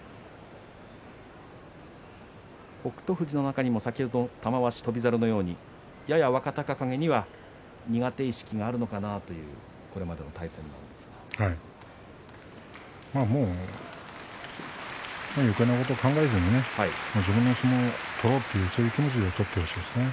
富士の方にも玉鷲と翔猿のようにやや若隆景には苦手意識があるのかなというもうよけいなことを考えずに自分の相撲を取ろうというそういう気持ちで取ってほしいですね。